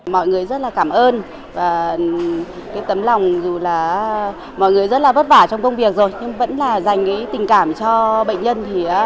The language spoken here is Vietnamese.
mọi người rất là cảm ơn và tấm lòng dù là mọi người rất là vất vả trong công việc rồi nhưng vẫn là dành tình cảm cho bệnh nhân